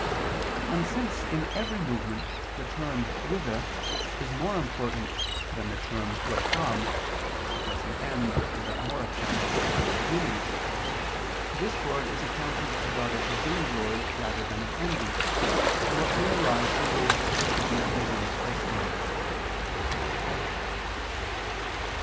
And since in every moment the term whither is more important than the term wherefrom (because the end is of more account than the beginning), discord is accounted a daughter of vainglory rather than of envy, though it may arise from both for different reasons, as stated.